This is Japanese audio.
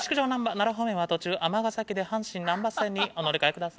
奈良方面は途中尼崎で阪神なんば線にお乗り換えください。